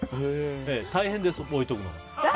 大変です、置いておくのも。